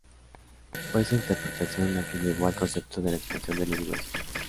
Fue esta interpretación la que llevó al concepto de la expansión del universo.